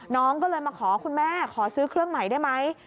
น้องก็เลยมาขอคุณแม่ขอซื้อเครื่องใหม่ได้ไหม